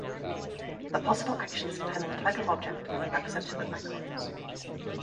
The possible actions depend on the type of object, and are represented with icons.